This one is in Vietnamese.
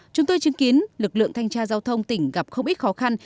chúng tôi chứng kiến lực lượng thanh tra giao thông tỉnh gặp không ít khó khăn